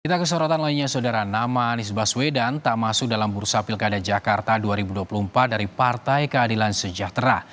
kita ke sorotan lainnya saudara nama anies baswedan tak masuk dalam bursa pilkada jakarta dua ribu dua puluh empat dari partai keadilan sejahtera